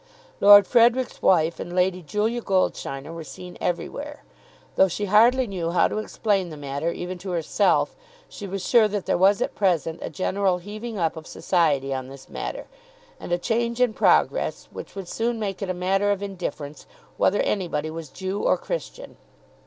Lord Frederic's wife and Lady Julia Goldsheiner were seen everywhere. Though she hardly knew how to explain the matter even to herself, she was sure that there was at present a general heaving up of society on this matter, and a change in progress which would soon make it a matter of indifference whether anybody was Jew or Christian.